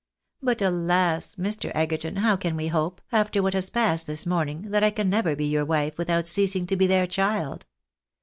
But, alas! Mr. Egerton, how can we hope, after what has passed this morning, that I can ever be your wife without ceasing to be their child